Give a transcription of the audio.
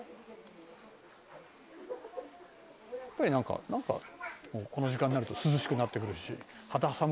「やっぱりなんかこの時間になると涼しくなってくるし肌寒くなって」